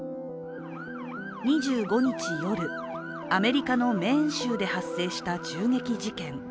２５日夜、アメリカのメーン州で発生した銃撃事件。